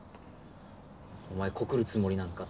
お前告るつもりなのか？